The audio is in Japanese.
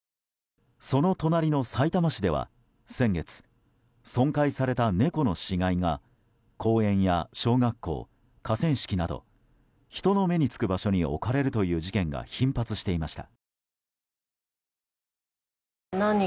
その隣のさいたま市では先月損壊された猫の死骸が公園や小学校、河川敷など人の目につく場所に置かれるという事件が頻発していました。